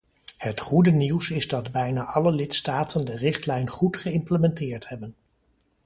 Het goede nieuws is dat bijna alle lidstaten de richtlijn goed geïmplementeerd hebben.